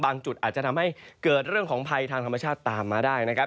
จุดอาจจะทำให้เกิดเรื่องของภัยทางธรรมชาติตามมาได้นะครับ